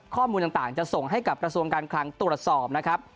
ข้อมูลต่างจะส่งให้กับกระทรวงการคลังตรวจสอบนะครับ